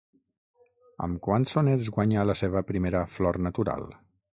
Amb quants sonets guanyà la seva primera Flor Natural?